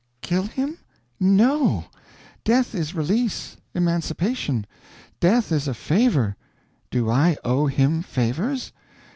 "Kill him? No! Death is release, emancipation; death is a favor. Do I owe him favors?